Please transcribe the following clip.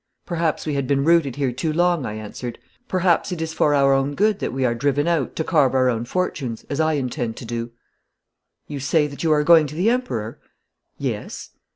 'Perhaps we had been rooted here too long,' I answered. 'Perhaps it is for our own good that we are driven out to carve our own fortunes, as I intend to do.' 'You say that you are going to the Emperor?' 'Yes.'